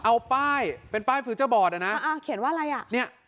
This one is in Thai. เอาป้ายเป็นป้ายฟิวเจอร์บอร์ดอ่ะนะอ่าเขียนว่าอะไรอ่ะเนี่ย